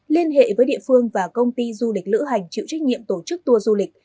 liên hệ với địa phương và công ty du lịch lữ hành chịu trách nhiệm tổ chức tour du lịch